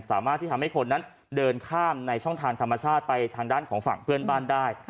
สามารถที่ทำให้คนนั้นเดินข้ามในช่องทางธรรมชาติไปทางด้านของฝั่งเพื่อนบ้านได้